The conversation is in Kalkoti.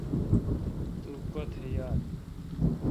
تو کوتھ یال۔